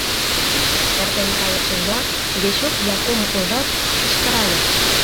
Эртен кайышыжла, Вечук Якум ужат, кычкырале: